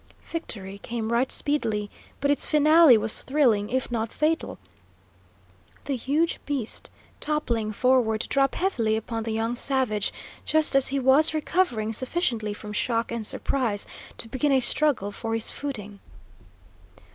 Victory came right speedily, but its finale was thrilling, if not fatal, the huge beast toppling forward to drop heavily upon the young savage, just as he was recovering sufficiently from shock and surprise to begin a struggle for his footing.